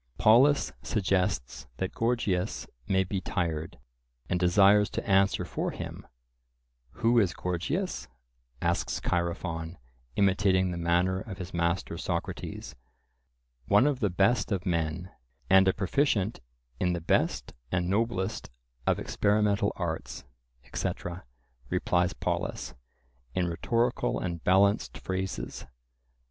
Polus suggests that Gorgias may be tired, and desires to answer for him. "Who is Gorgias?" asks Chaerephon, imitating the manner of his master Socrates. "One of the best of men, and a proficient in the best and noblest of experimental arts," etc., replies Polus, in rhetorical and balanced phrases.